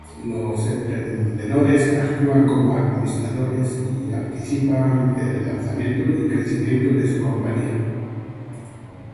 Los emprendedores actúan como administradores y anticipan el lanzamiento y crecimiento de su compañía.